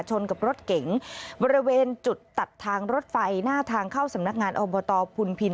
ชนกับรถเก๋งบริเวณจุดตัดทางรถไฟหน้าทางเข้าสำนักงานอบตพุนพิน